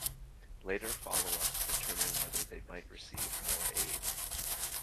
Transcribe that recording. Later follow-ups determine whether they might receive more aid.